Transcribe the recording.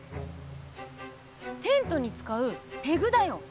テントに使うペグだよ。